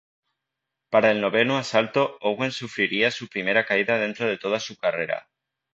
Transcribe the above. Para el noveno asalto Owen sufriría su primera caída dentro de toda su carrera.